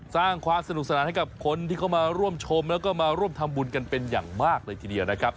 สร้างความสนุกสนานให้กับคนที่เข้ามาร่วมชมแล้วก็มาร่วมทำบุญกันเป็นอย่างมากเลยทีเดียวนะครับ